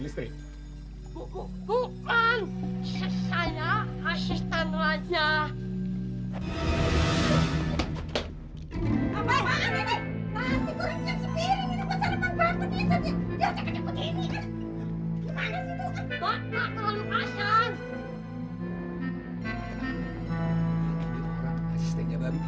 iya buat gue